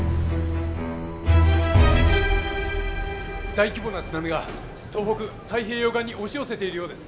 大規模な津波が東北太平洋岸に押し寄せているようです。